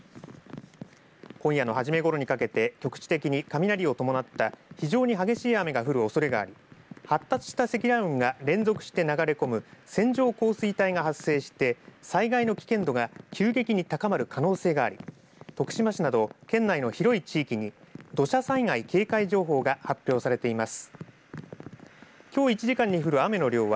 今夜のはじめごろにかけて局地的に雷を伴った非常に激しい雨が降るおそれがあり発達した積乱雲が連続して流れ込む線状降水帯が発生して災害の危険度が急激に高まる可能性があり徳島市など県内の広い地域に土砂災害警戒情報が発表されています。